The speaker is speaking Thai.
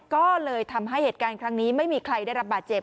ก็เลยทำให้เหตุการณ์ครั้งนี้ไม่มีใครได้รับบาดเจ็บ